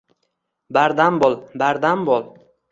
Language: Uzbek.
Bardam bo`l, bardam bo`l